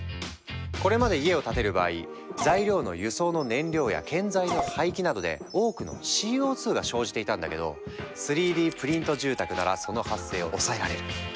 これまで家を建てる場合材料の輸送の燃料や建材の廃棄などで多くのＣＯが生じていたんだけど３Ｄプリント住宅ならその発生を抑えられる。